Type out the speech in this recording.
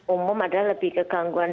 umum adalah lebih kegangguan